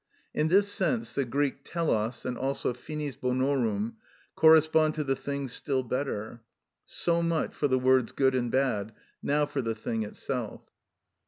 In this sense the Greek τελος and also finis bonorum correspond to the thing still better. So much for the words good and bad; now for the thing itself.